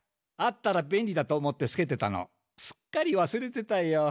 あったらべんりだと思ってつけてたのすっかりわすれてたよ。